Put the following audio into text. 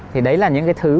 thì đấy là những cái thứ